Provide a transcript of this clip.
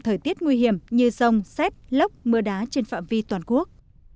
thời tiết nguy hiểm như sông xét lốc mưa đá trên phạm vi toàn quốc